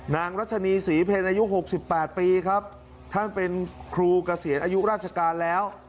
รัชนีศรีเพลอายุ๖๘ปีครับท่านเป็นครูเกษียณอายุราชการแล้ว